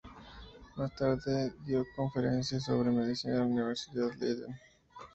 Más tarde, dio conferencias sobre medicina en la Universidad de Leiden.